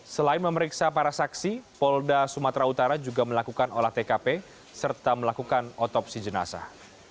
selain memeriksa para saksi polda sumatera utara juga melakukan olah tkp serta melakukan otopsi jenazah